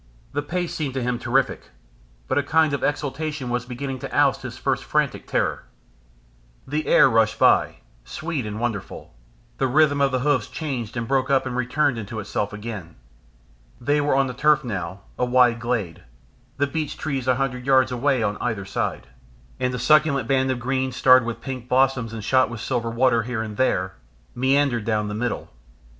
The pace seemed to him terrific, but a kind of exultation was beginning to oust his first frantic terror. The air rushed by, sweet and wonderful, the rhythm of the hoofs changed and broke up and returned into itself again. They were on turf now, a wide glade the beech trees a hundred yards away on either side, and a succulent band of green starred with pink blossom and shot with silver water here and there, meandered down the middle.